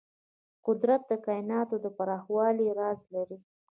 قدرت د کایناتو د پراخوالي راز لري.